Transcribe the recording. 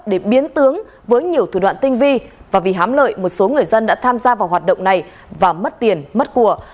để biến tướng với nhiều thủ đoạn tinh vi và vì hám lợi một số người dân đã tham gia vào hoạt động này và mất tiền mất của